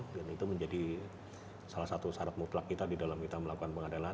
dan itu menjadi salah satu syarat mutlak kita di dalam kita melakukan pengadilan